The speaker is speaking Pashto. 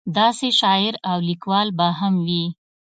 داسې شاعر او لیکوال به هم وي.